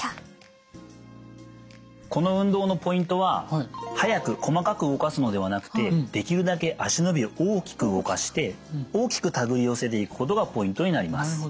この運動のポイントは速く細かく動かすのではなくてできるだけ足の指を大きく動かして大きくたぐり寄せていくことがポイントになります。